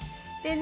ね